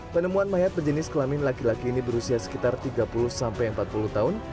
penemuan mayat berjenis kelamin laki laki ini berusia sekitar tiga puluh sampai empat puluh tahun